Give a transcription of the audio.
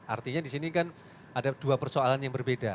artinya di sini kan ada dua persoalan yang berbeda